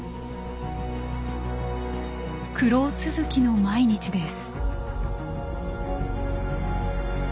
苦労続きの毎日です。